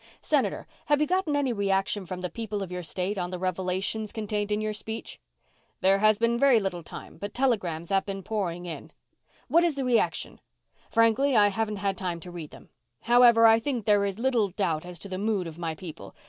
"Senator, have you gotten any reaction from the people of your state on the revelations contained in your speech?" "There has been very little time, but telegrams have been pouring in." "What is the reaction?" "Frankly, I haven't had time to read them. However, I think there is little doubt as to the mood of my people.